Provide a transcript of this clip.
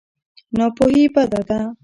ناپوهي بده ده.